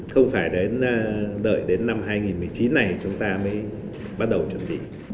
không phải đến đợi đến năm hai nghìn một mươi chín này chúng ta mới bắt đầu chuẩn bị